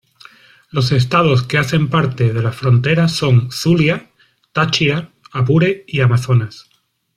Los estados que hacen parte de la frontera son Zulia, Táchira, Apure y Amazonas.